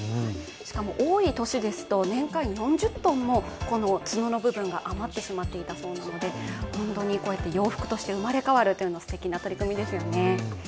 しかも、多い都市ですと年間４０ｔも角の部分が余ってしまっていたそうなので本当に洋服として生まれ変わるのはすてきな取り組みですよね。